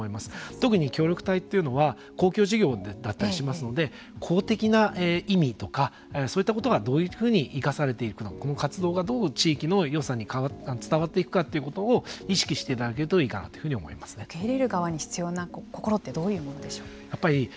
特に協力隊というのは公共事業だったりしますので公的な意味とかそういったことがどういうふうに生かされていくのか活動がどう地域のよさに伝わっていくかということを意識していただけるといいかなと受け入れる側に必要な心ってどういうものでしょうか。